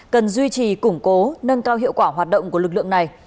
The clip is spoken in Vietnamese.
cần duy trì củng cố nâng cao hiệu quả hoạt động của lực lượng này